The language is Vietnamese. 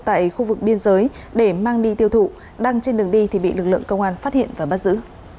tại khu vực biên giới để mang đi tiêu thụ đang trên đường đi thì bị lực lượng công an phát hiện và bắt giữ